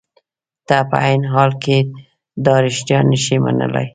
ته په عین حال کې دا رښتیا نشې منلای.